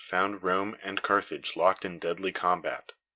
217 found Rome and Carthage locked in deadly combat.